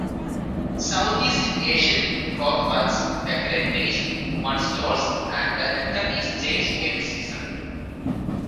Southeast Asian clothworks decorate Page One stores and the decor is changed every season.